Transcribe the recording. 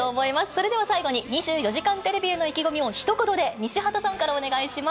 それでは最後に、２４時間テレビへの意気込みをひと言で西畑さんからお願いします。